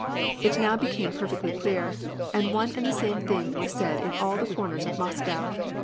It now became perfectly clear, and one and the same thing was said in all the corners of Moscow.